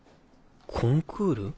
コンクール？